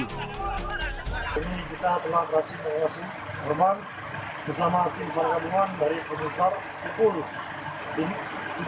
ini kita telah berhasil mengevakuasi korban